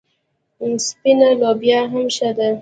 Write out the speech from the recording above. سپینه لوبیا هم ښه ده.